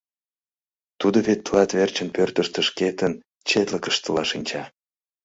Тудо вет тылат верчын пӧртыштӧ шкетын четлыкыштыла шинча.